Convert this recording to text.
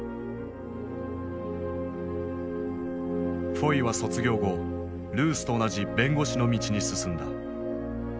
フォイは卒業後ルースと同じ弁護士の道に進んだ。